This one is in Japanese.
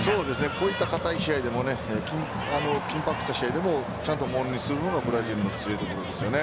こういった堅い試合でも緊迫した試合でもちゃんと物にするのがブラジルの強いところですよね。